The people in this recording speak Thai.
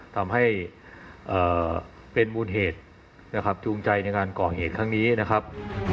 ทำให้เป็นมูลเหตุนะครับจูงใจในการก่อเหตุครั้งนี้นะครับ